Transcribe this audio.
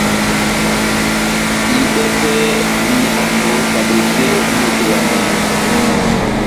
Ihibɛwɛ pɛhɛ nʼnyamu kabotè moto wa mala